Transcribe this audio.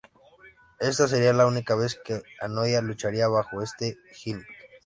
Esta sería la única vez que Anoa'i lucharía bajo este gimmick.